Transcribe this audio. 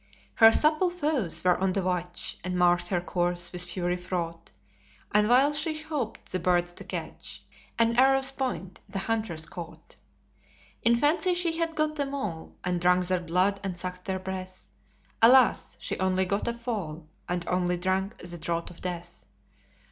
Her subtle foes were on the watch, And marked her course, with fury fraught; And while she hoped the birds to catch, An arrow's point the huntress caught. In fancy she had got them all, And drunk their blood and sucked their breath; Alas! she only got a fall, And only drank the draught of death.